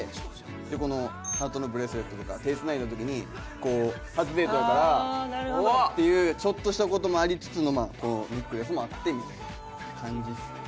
でこのハートのブレスレットとか手繋いだ時にこう初デートやからっていうちょっとした事もありつつのこのネックレスもあってみたいな感じですね。